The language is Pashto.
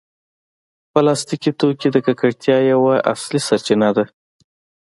پلاستيکي توکي د ککړتیا یوه اصلي سرچینه ده.